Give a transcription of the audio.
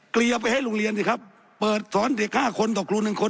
เกลียไปให้โรงเรียนสิครับเปิดสอนเด็กห้าคนต่อครูหนึ่งคน